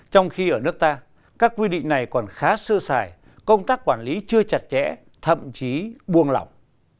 trong khi ở nước ta các quy định này còn khá sơ sài công tác quản lý chưa chặt chẽ thậm chí buông lỏng